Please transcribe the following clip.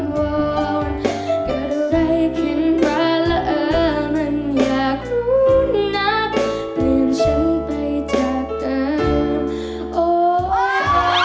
เกิดอะไรคิดมาแล้วโอ้ยมันอยากรู้นักเตรียนฉันไปจากต่างโอ๊ยโอ๊ย